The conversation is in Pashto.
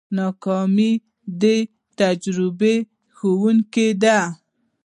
ناکامي د تجربې ښوونکې ده.